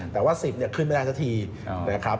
แต่ว่า๑๐เนี่ยขึ้นไม่ได้สักทีนะครับ